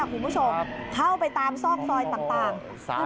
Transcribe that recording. ก็เข้าไปตามซอกซอยต่าง